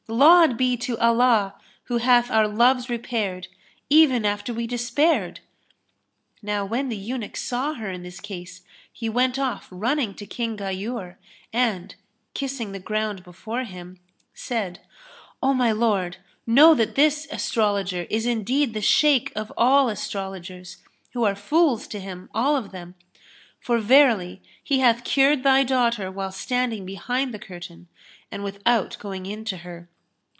Laud be to Allah who hath our loves repaired, even after we despaired!" Now when the eunuch saw her in this case, he went off running to King Ghayur and, kissing the ground before him, said, "O my lord, know that this Astrologer is indeed the Shaykh of all astrologers, who are fools to him, all of them; for verily he hath cured thy daughter while standing behind the curtain and without going in to her."